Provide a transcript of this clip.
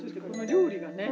料理がね。